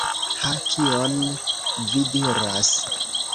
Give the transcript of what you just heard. Ha, kion vi diras!